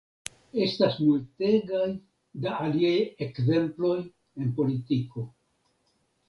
Estas multegaj da aliaj ekzemploj en politiko.